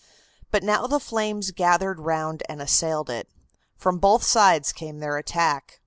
But now the flames gathered round and assailed it. From both sides came their attack.